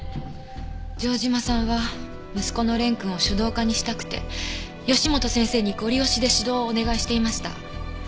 城島さんは息子の連くんを書道家にしたくて義本先生にごり押しで指導をお願いしていました。